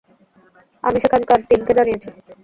আমি সেখানকার টিমকে জানিয়েছি।